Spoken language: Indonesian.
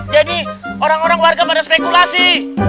jadi orang orang warga pada spekulasi